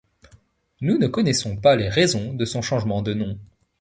Nous ne connaissons pas les raisons de son changement de nom.